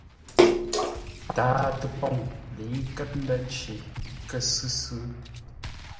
Tǎa-təpoŋ lə̌i nkət ndə̂ nci, kə́ sʉ́ sʉ́.